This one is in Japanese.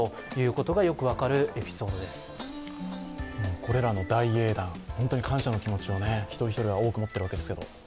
これらの大英断、本当に感謝の気持ちを一人一人が持っているわけですけど。